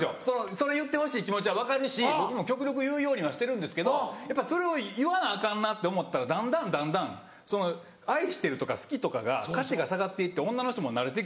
その言ってほしい気持ちは分かるし僕も極力言うようにはしてるんですけどやっぱそれを言わなアカンなって思ったらだんだんだんだんその「愛してる」とか「好き」とかが価値が下がっていって女の人も慣れてくる。